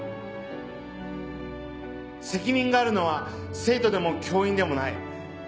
責任があるのは生徒でも教員でもない。